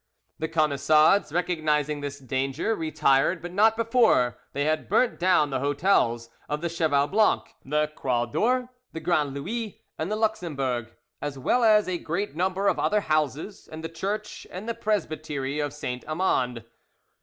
The Camisards recognising this danger, retired, but not before they had burnt down the hotels of the Cheval Blanc, the Croix d'Or, the Grand Louis, and the Luxembourg, as well as a great number of other houses, and the church and the presbytery of Saint Amand.